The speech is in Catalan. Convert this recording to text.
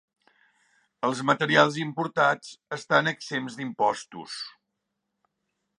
Els materials importats estan exempts d'impostos.